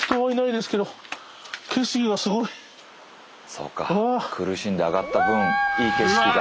そうか苦しんで上がった分いい景色が。